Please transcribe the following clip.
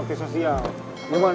untuk jalan rumahan